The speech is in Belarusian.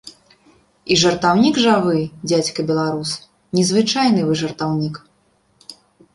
І жартаўнік жа вы, дзядзька беларус, незвычайны вы жартаўнік!